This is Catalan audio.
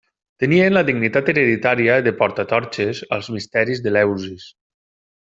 Tenien la dignitat hereditària de porta torxes als misteris d'Eleusis.